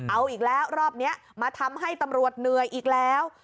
เอาอีกแล้วรอบนี้มาทำให้ตำรวจเหนื่อยอีกแล้ว